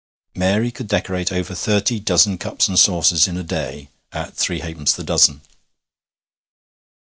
Mary could decorate over thirty dozen cups and saucers in a day, at three halfpence the dozen.